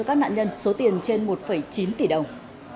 các nạn nhân số tiền trên một chín tỷ đồng